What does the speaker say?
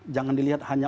jangan dilihat hanya